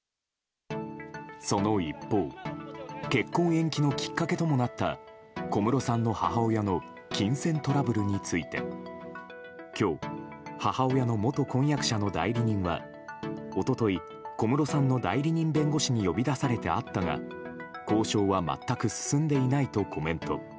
その一方結婚延期のきっかけともなった小室さんの母親の金銭トラブルについて今日、母親の元婚約者の代理人は一昨日、小室さんの代理人弁護士に呼び出されて会ったが交渉は全く進んでいないとコメント。